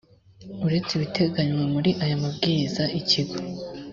uretse ibiteganywa muri aya mabwiriza ikigo